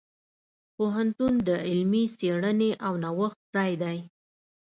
پوهنتون د علمي څیړنې او نوښت ځای دی.